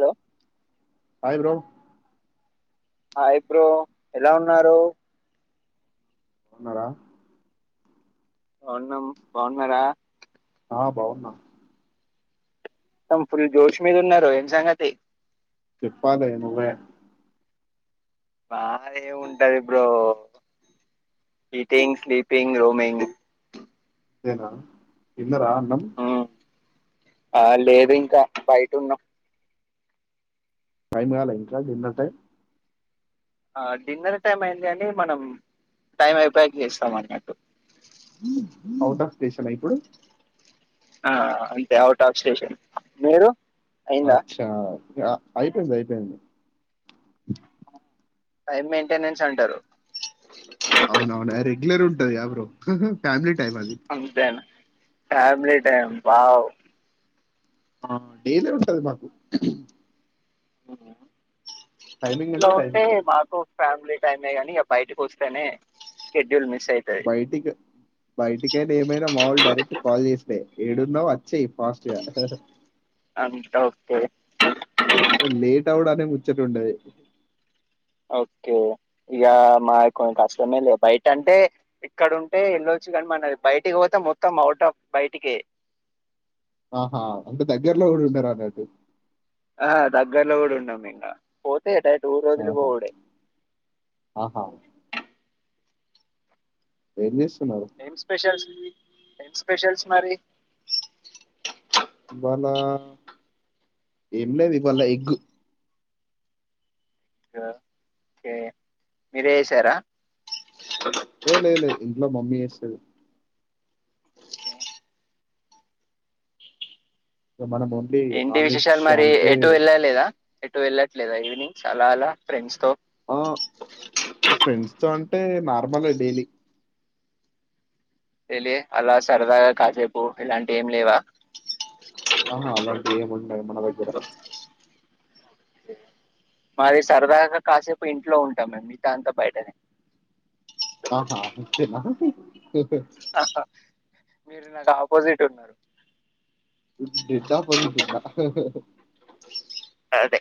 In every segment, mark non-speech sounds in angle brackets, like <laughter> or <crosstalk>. Hello hi bro ఆ hi bro ఎలా ఉన్నారు పోన్నార అవున్నా బాగున్నార ఆ బాగున్నా తమ్ ఫుల్ జోష్ మీద ఉన్న రోహన సంగతి చెప్పాలా ఎను్వ బాగా ఏ ఉంటది ఇప్పు్రో హీటింగ్ స్లీపింగ్ రూమింగ్ ఏనా ఇన్నరా అన్నం ఉమ్ ఆ లేదు ఇంకా బయట ఉన్నాం పైమి కాలా ఇంకా విన్నట్టే ఆ డిన్నర్ టైమ్ అయింది కాని మనం టైం అయిపోయాక చేస్తాం అన్నట్టు తీస్తున్న ఇప్పుడు ఆ అంతే ఔట్ ఆఫ్ స్టేషన్ మీరు అయిందా అచ్చా య అయిపోయింది అయిపోయింది టైం మెయింటెనెన్స్ అంటారు కొత్తది ఆ బ్రో ఉమ్మ్ ఫ్యామిలీ టైం అది అంతేనా ఫ్యామిలీ టైం వావ్ ఆ డైలీ ఉంటది మాకు హు హూ టైమింగ్ ఇంట్ల అంటే ఉంటే టైమింగ్ మాకు ఫ్యామిలీ టైమే గాని ఇగ బయటకి వస్తేనే షెడ్యూల్ మిస్ అయితది బయటిక్ బయటికే ఏమైనా మా వాళ్లు డైరెక్ట్ కాల్ చేస్తే ఏడు న్నావ్ అని వచ్చేయ్ ఫాస్ట్ గా అంటారు అంత ఓకే లేట్ ఇంట్ల గుడా అదే ముచ్చట ఉంటది ఓకే ఇగ మాది కొంచం కష్టమే లే బయట అంటే ఇక్కడుంటే ఎలొచ్చు గాని మనది బయటికి పోతే మొత్తం అవుట్ ఆఫ్ బయటికే ఆహా అంటే దగ్గరలో గుడా ఉండరు అన్నట్టు ఆ దగ్గర్లో గుడా ఉండం ఇంగ పోతే అంతే డైరెక్ట్ ఊరు ఆహా వదిలిపోవుడే ఆహా ఏం చేస్ ఏం స్పెషల్స్ ఏం స్పెషల్స్ మరి ఇవాళ ఏం లేదు ఇవాళ ఎగ్ ఎగ్గా ఓకే మీరే చేశారా ఏ లే లే లేదు ఇంట్లో మమ్మీ చేస్తది ఇగ మనం ఓన్లీ ఏంటి నాన్ వెజ్ విశేషాలు మరి అంటే ఎటు వెళ్ళలేదా ఎటు వెళ్లట్లేదా ఈవినింగ్స్ అలా అలా ఫ్రెండ్స్ తో ఆ ఫ్రెండ్స్ తో అంటే నార్మలే డైలీ ఎల్లి అలా సరదాగా కాసేపు ఇలాంటివి ఏం లేవా ఆహా అలాంటివి ఏముండవు మన దగ్గర మరీ సరదాగా కాసేపు ఇంట్లో ఉంటాం మేం మీతాదంతా బయటనే ఆహా ఇంతేనా హ్మ్ ఆహా మీరు నాకు ఆపోజిట్ ఉన్నరు నీకు డెడ్ ఆపోజిట్ ఉన్న అదే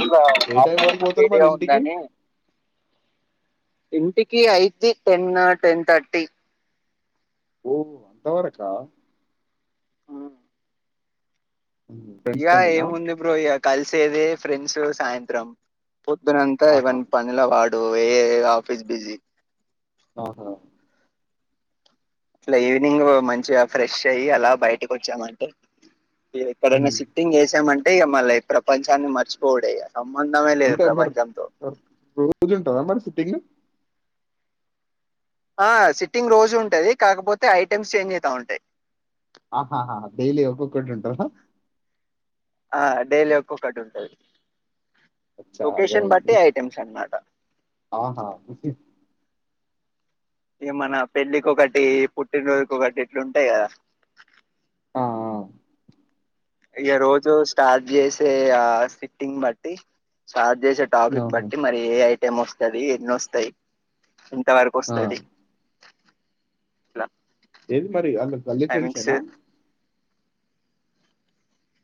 ఇంకా ఏ ఆప టైం వరకు మొత్తం పోతారు మరి వేడిగా ఇంటికి? ఉందని ఇంటికి అయిద్ది టెన్ను టెన్ థర్టీ ఓ అంతవరకా ఇగ ఫ్రెండ్స్ తోనేనా? ఏంముంది బ్రో ఇగ కల్ సేదే ఫ్రెండ్స్ సాయంత్రం పొద్దునంతా ఆహా ఎవన్ పనిల వాడ్ డో ఏ ఏ ఆఫీస్ బిజి ఆహా ఇట్లా ఈవినింగ్ మంచిగా ఫ్రెష్ అయి అలా బయటకి వచ్చామంటే ఈరు ఇక్కడున్న హ్మ్ సిట్టింగ్ ఏసామంటే మళ్ళా ఈ ప్రపంచాన్ని మర్చిపోవుడేగా ఉంటాద్ మరి మరి రోజు ఉంటందా మరి టిన్ ఆ సిట్టింగ్ రోజు ఉంటది కాకపోతే ఐటెమ్స్ చేంజ్ అవుతా ఉంటాయ్ ఆహా హ డైలీ ఒకోకటి ఉంటదా ఆ డైలీ ఒక్కొక్కటి ఉంటది అచ్చ లొకేషన్ బట్టి అర్ధమంది ఐటమ్స్ అన్నమాట ఆహా ఇగ మన పెళ్ళకోకటి పుట్టినరోజుకి ఒకటి ఇట్లుంటాయి కదా ఆ ఆ ఇగ రోజు స్టార్ట్ చేసే ఆ సిట్టింగ్ బట్టి స్టార్ట్ చేసే టాపిక్ ఆహా బట్టి మరి ఏ ఐ టెమోస్తది ఎన్నోస్తాయి ఇంత వరకు ఆ వస్తది లా ఏది మరి వాళ్ళు గల్లీ ఫ్రెండ్స్ ఏనా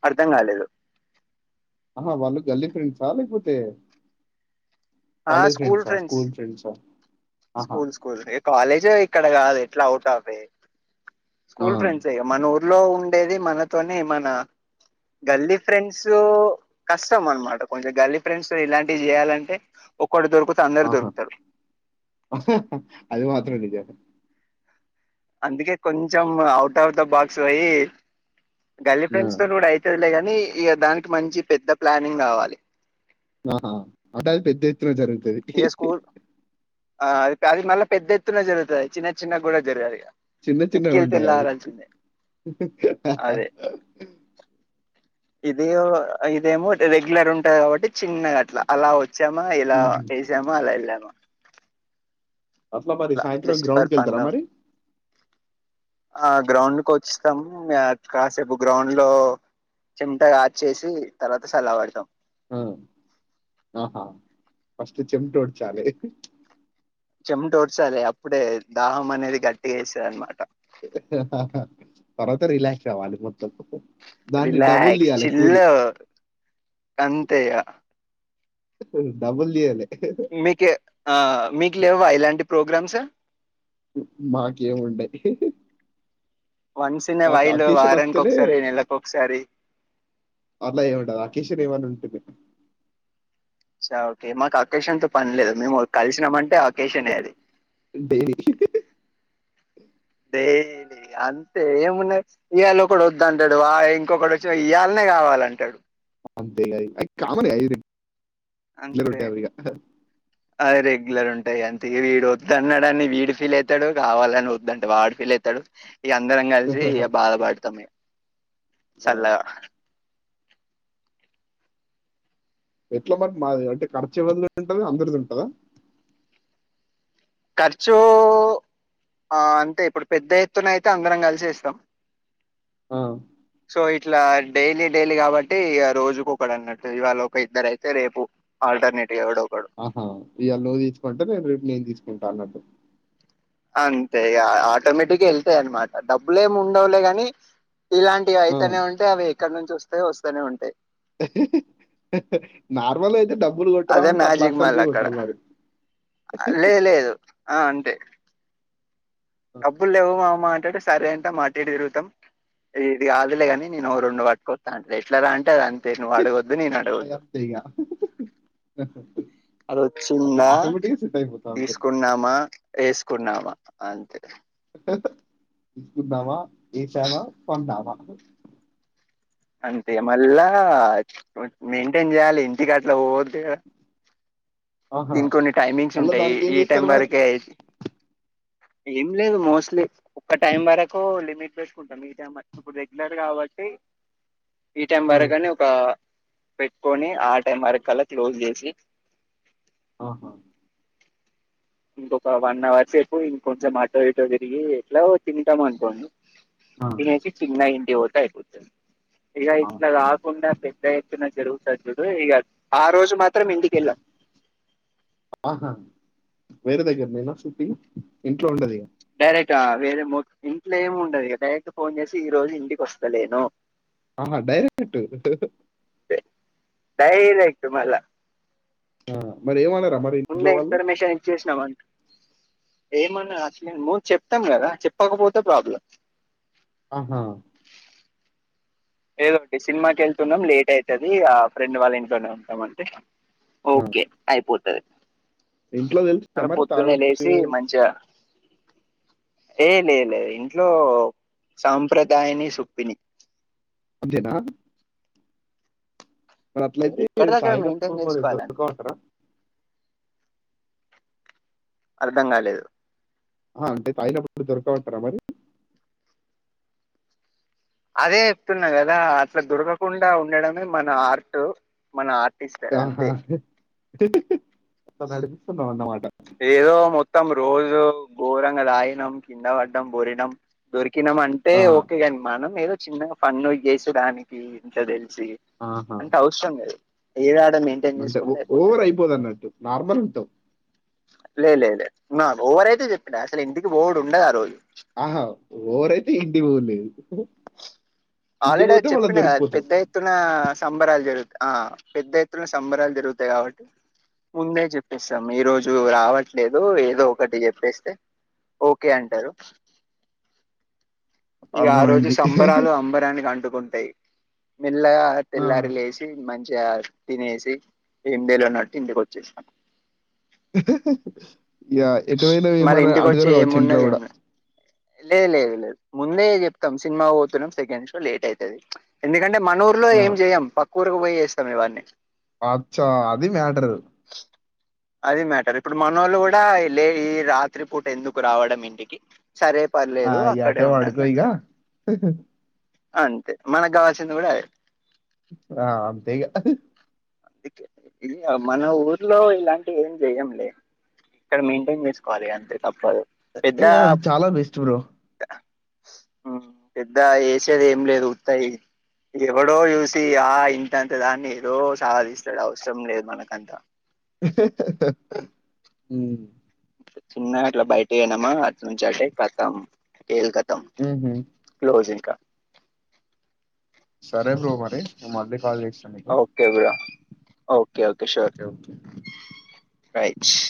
అర్ధం కాలేదు ఆహా వాళ్ళు గల్లీ ఫ్రెండ్స్ ఆ లేకపోతే ఆ కాలేజ్ ఫ్రెండ్సా ఫ్రెండ్స్ స్కూల్ ఫ్రెండ్సా ఆహా! స్కూల్ స్కూల్ ఏ కలేజె ఇక్కడ కాదు ఎట్లా అవుట్ ఆఫే ఆ! స్కూల్ ఫ్రెండ్స్ ఇగ మన ఊర్లో ఉన్ తెరిగేది మనతోనే మన గల్లీ ఫ్రెండ్స్ కష్టం అనమాట కొంచెం గల్లీ ఫ్రెండ్స్ ఇలాంటివి చేయాలంటే ఓ ఒకడు దొరుకుతె అందరు ఆహా! దొరుకుతారు అది మాత్రం నిజమే అందుకే కొంచెం ఔట్ ఆఫ్ ద బాక్స్ అయ్యి గల్లీ ఆ! ఫ్రెండ్స్ తోని కూడా అయితేలేగాని ఇగ దానికి మంచి పెద్ద ప్లానింగ్ కావాలి ఆహా అదే పెద్ద <unintelligible> జరుగుతది ఆ అ అది మళ్ళీ పెద్ద ఎత్తున జరుగుతది చిన్న చిన్న కూడా జరుగాదు ఇగ చిన్న చిన్నగా ఉంటయి అవి మ్మ్ అదే హు ఇది ఇదేమో రెగ్యులర్ ఉంటది కాబట్టి చిన్నగా అట్లా అలా వచ్చు చ్చమా ఇలా హుహు. ఏసమా అలా ఎల్లామా అట్లమరి సాయంత్రం జస్ట్ గ్రౌండ్ ఫర్ ఫన్ కెళ్తారా మరి ఆ గ్రౌండ్కి వచ్చినాము కాసేపు గ్రౌండ్ లో చెమటా ఆచేసి తర్వాత సళ్ళ పడ్డం మ్మ్ హ్మ్ హు ఫస్ట్ చెమటోడ్చలి చెముటోడ్చాలి అప్పుడే దాహం అనేది గట్టిగా ఎస్తది అనమాట తర్వాత రిలక్స్ అవ్వాలి మో రిలాక్స్ కూలి. చిల్లు గంతే ఇగ డబ్బల్ దియాలే మీకే ఆ మీకు లేవా ఇలాంటి ప్రోగ్రామ్స్ మాకేం ఉంటాయి వన్స్ ఇన్ ఏ వైలు వారానికి ఒక్కసారి నెలకు ఒక్కసారి అట్లా ఏముండదు. అకేషన్ ఏమన్నా ఉంటుంది. స ఓకే మాకు అకేషన్ తో పనిలేదు మేము కలిసినామంటే కేషనే అది డే లే అంతే ఏమున్నది ఇవాళ ఒకడు వద్దు అంటాడు వా ఇంకొకడు వచ్చి ఇయాళనే కావాలంటడు అంత ఇగ ఈ అయి కామనే అయ్యి ఇట్లనే ఉంటారిగ ఆ రెగ్యులర్ ఉంటాయి గంతే ఇగ వీడు వద్దు అన్నాడు అని వీడు ఫీల్ అవుతాడు కావాలని వద్దంటే వాడు ఫీల్ అవుతాడు ఇగ అందరం కలిసి ఇగ బాధ పడతాం ఆ, సల్లా ఎట్ల మరి మాది అంటే ఖర్చు ఎవ్వరిది ఉంటది అందరిది ఉంటదా ఖర్చు ఆ అంటే ఇప్పుడు పెద్ద ఎత్తున అయితే అందరం కలిసి ఏస్తాం ఆ ఇట్లా డైలీ డైలీ కాబట్టి రోజుకు ఒకడు అన్నట్టు ఇవాళ ఒక ఇద్దరు అయితే రేపు ఆల్టర్నేట్ ఆహా ఇయ్యాల నువ్వు తీసుకుంటే రేపు రేప్ నేన్ తిసుకు ఇంటర్నెట్ అంతే ఇగ ఆటోమేటిక్ గా ఎల్తయ్ అనమాట డబ్బులేమి ఉండవులే గాని ఇలాంటివి ఆ, అయితనే ఉంటాయ్ అవి ఎక్కడ నుంచి వస్తాయో వస్తాయి వస్తనే ఉంటాయ్ నార్మల్ అయితే డబ్ అదే కొట్టారంట అట్లసలు కొట్టరు మరి లే లేదు ఆ అంటే డబ్బుల్ లేవు మామా అంటే సరే అంటం అటూఇటూ తిరుగుతాం ఇది కాదులేగాని నేను రెండు పట్టుకొస్తా అంటె ఎట్లరా అంటే అద్ అంతె నువ్వు అడగద్దు నేను అవి అడగద్దు అంతే ఇక అది అట్లా వచ్చిందా ఆటోమేటిక్ గా సెట్ అయిపోతా ఉంటాయి తీసుకున్నామా వేసుకున్నామా అంతే చూద్దామ ఏసామా కొన్నామ అంతే మళ్ళా మెయింటైన్ చేయాలి ఇంటికి అట్లా పోతే ఆహా దీని కొన్ని టైమింగ్స్ మళ్ళీ ఉంటాయి దానికి ఏం ఈ ఈ టైం చేస్తారు మరి వరకే అయి ఏం లేదు మోస్ట్లీ ఒక్క టైం వరకు లిమిట్ పెట్టుకుంటాం మీ టై ఇప్పుడు రెగ్యులర్ కాబట్టి ఈ టైం ఆ, వరకి అని ఒక పెట్టుకొని ఆ టైం వరకులా క్లోజ్ చేసి ఆహా ఇంకొక వన్ అవర్ సేపు ఇంక కొంచెం ఆటోవటో తిరిగి ఎట్లా తింటాం అనుకోండి ఆ, తినేసి చిన్నాయి ఇంటికి పోతె అయిపోతాది ఇక ఇట్లా ఆహా. కాకుండా పెద్ద ఎత్తున జరుగు ఆ రోజు మ మత్రం ఇంటికెళ్ల ఆహా వేరే దగ్గర మీేనా షుట్టి ఇంట్లో ఉండది డైరెక్ట్ వేరే ఇంట్లోమి ఉండదు డైరెక్ట్ ఫోన్ చేసి ఈ రోజు ఇంటికి వస్తాలేను ఆ డైరక్ట్ <unintelligible> డైరెక్టు మల్ల అ మరి ఎం అ ముందే ఇన్ఫర్మేషన్ ఇచ్చేసినావుంట ఏమన్నా అసలే మందు చెప్తాం కదా చెప్పకపోతే ప్రాబ్లం ఆహా లేదోండి సినిమాకి వెళ్తున్నాం లేట్ అయితది ఆ ఫ్రెండ్ వాళ్ళ ఇంట్లోనే ఉంటామ అంటే ఆ! ఓకే అయిపో సరే ఇంట్లో తెలిసి సమరి తాడుడు మంచిగా లే లేలేదు ఇంట్లో సాంప్రదాయని సొప్పిని అంతేనా మరి అట్లయితే ఎక్కడిదక్కడ మెయింటైన్ సాయంకాల చేసుకోవాలన్న ఇద్దరు కా అంటారా అర్ధం కాలేదు ఆ అంటే తాగినప్పుడు ఎప్పుడు దొరుకుతా వుంటారా మరి అదే చెప్తున్నా కదా అట్లా దొరకకుండా ఉండడమే మన ఆర్ట్ మన ఆర్ట్ ఆ అ నడిపిస్తున్నా అన్న మాట ఏదో మొత్తం రోజు ఘోరంగా తాగినం కింద పడ్డం బొరినం దొరికి కినం అంటే ఆ! ఓకేగాని మనం ఏదో చిన్నగా ఫన్ను య్యేసుడానికి ఇంతదిలి ఆహా! అంటే అవసరం అది ఏద అంటే ఓవర్ అయిపోదు అన్నట్టు నార్మల్ ఉంటావు లే లే లే నా ఓవర్ అయితే చెప్పిన అసలు ఇంటికి బోడు ఉండదు ఆ రోజు ఆహా ఓ రైతే ఇంటికి పోండి ఆల్రెడీ అది చెప్పిన కదా దొరికిపోతావు. పెద్ద ఎత్తున సంబరాలు జరుగు ఆహ్ పెద్ద ఎత్తున సంబరాలు జరుగుతాయి కాబట్టి ముందే చెప్పిస్తాం ఈరోజు రావట్లేదు ఏదో ఒకటి చెప్పేస్తే ఓకే అంటారు అర్థమైంది అంబరాలు అంబానీ అంటూ టుకుంటాయ్ మెల్లగా ఆ! తెల్లారి లేసి మం తినేసి ఏమి చేయాలో అన్నట్టు ఇంటికి వచ్చేసాం ఇక ఎటువైనవి ఏమో మళ్ళీ ఇంటికి వచ్చి అడుగరు కావచ్చు ఇంట్లో ఏమున్నది ఏం కూడా లేదు లేదు లేదు ముందే చెప్తాం సినిమాకి పోతున్నాం సెకండ్ షో లేట్ అయితది ఎందుకంటే మనూర్ లో ఆ! ఏం చేయ్యం పక్కు పోయే చేస్తాం ఇవ్వని అచ్చా అది మ్యాటరు నోళ్ళు కూడా లే ఈ రాత్రి పూట ఎందుకు రావడం ఇంటికి సరే ఆ! పర్లేదు ఇగ అక్కడే అటే ఉండండి పడుకో ఇగ. అంటారు <unintelligible> అంతే మనకు కావాల్సింది కూడా అదే ఆహ్ అంతేగా ఇంగ మన ఊర్లో ఇలాంటి ఏం చెయ్యం లే ఇక్కడ మెయింటైన్ చేసుకోవాలి అంతే తప్పదు పెద్ద ఏ అది చాలా బెస్ట్ బ్రో. పెద్ద ఏసేది ఏం లేదు ఉత్తయి ఎవడో చూసి ఆహ్ ఇంతంత దాన్ని ఏదో సాధిస్తాడు అవసరం లేదు మనకంతా <unintelligible> చిన్నగ అట్లా బయటకి పోయినామా అట్ నుంచి అంటే కతాం కేల్ కతా హమ్ హమ్ రోజ్ ఇంక సరే బ్రో మరి నే మళ్ళీ కాల్ చేస్తాను నీకు okay bro okay okay sure right